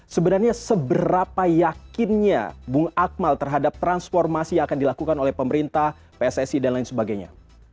sebenarnya seberapa yakinnya bung akmal terhadap transformasi yang akan dilakukan oleh pemerintah pssi dan lain sebagainya